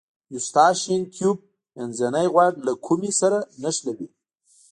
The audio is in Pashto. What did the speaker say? یو ستاشین تیوب منځنی غوږ له کومې سره نښلوي.